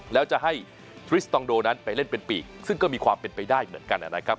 แล้วจะให้ทริสตองโดนั้นไปเล่นเป็นปีกซึ่งก็มีความเป็นไปได้เหมือนกันนะครับ